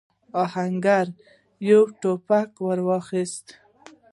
آهنګر يو ټوپک ور واخيست.